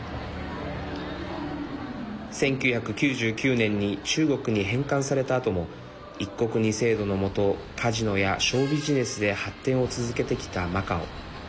１９９９年に中国に返還されたあとも一国二制度のもとカジノやショービジネスで発展を続けてきたマカオ。